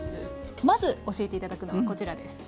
まず教えて頂くのはこちらです。